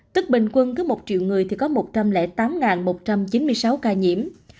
tức bình quân cứ một triệu người thì có một trăm linh tám một trăm chín mươi sáu ca nhiễm